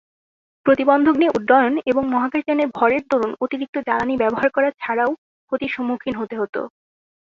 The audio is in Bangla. প্রতিবন্ধক নিয়ে উড্ডয়ন এবং মহাকাশযানের ভরের দরুন অতিরিক্ত জ্বালানি ব্যবহার করা ছাড়াও ক্ষতির সম্মুখীন হতে হত।